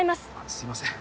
すいません